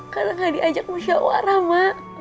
karena tidak diajak musyawarah mak